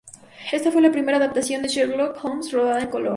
Ésta fue la primera adaptación de Sherlock Holmes rodada en color.